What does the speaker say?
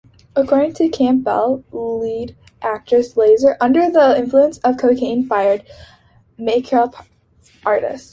According to Campbell, lead actress Lasser-under the influence of cocaine-fired her make-up artist.